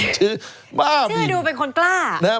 ชื่อดูเป็นคนกล้า